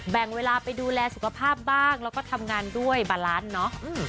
แบ่งเวลาไปดูแลสุขภาพบ้างแล้วก็ทำงานด้วยบาลานซ์เนาะ